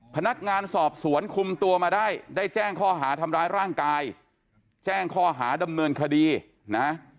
พนักงานสอบสวนคุมตัวมาได้ได้แจ้งข้อหาทำร้ายร่างกายแจ้งข้อหาดำเนินคดีนะ